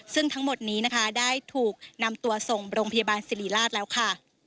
ซึ่งทั้งหมดนี้นะคะได้ถูกนำตัวส่งโรงพยาบาลสิริราชแล้วค่ะ